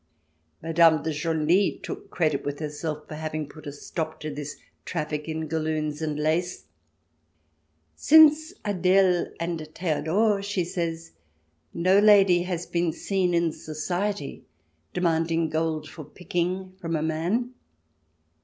Madame de Genlis took credit with herself for having put a stop to this traffic in galloons and lace. " Since Adele and Theodore," 200 THE DESIRABLE ALIEN [ch. xv she says, " no lady has been seen in Society demand ing gold for picking from a man."